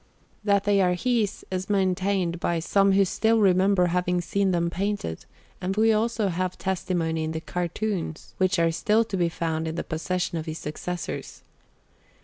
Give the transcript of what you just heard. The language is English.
That they are his is maintained by some who still remember having seen them painted; and we have also testimony in the cartoons which are still to be found in the possession of his successors.